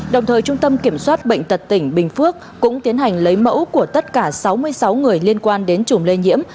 đồng thời trung tâm kiểm soát bệnh tật tỉnh bình phước cũng tiến hành lấy mẫu của tất cả sáu mươi sáu người liên quan đến chùm lây nhiễm